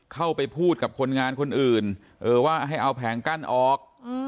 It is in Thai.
พูดกับคนงานคนอื่นว่าให้เอาแผงกั้นออก